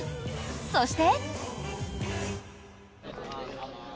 そして。